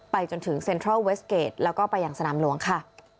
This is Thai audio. จนถึงเซ็นทรัลเวสเกจแล้วก็ไปยังสนามหลวงค่ะ